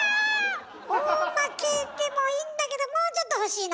大まけでもいいんだけどもうちょっと欲しいの！